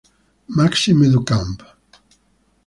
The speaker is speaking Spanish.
Maxime du Camp.